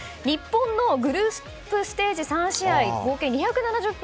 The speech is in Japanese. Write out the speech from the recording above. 日本のグループステージ３試合合計２７０分